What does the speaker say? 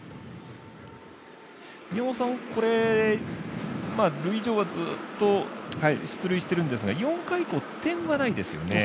これ、塁上はずっと出塁してるんですが４回以降、点はないですよね。